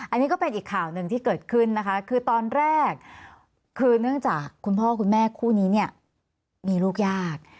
อันนี้ก็เป็นอีกข่าวหนึ่งที่เกิดขึ้นนะคะคือตอนแรกคือเนื่องจากคุณพ่อคุณแม่คู่นี้เนี่ยมีลูกยาก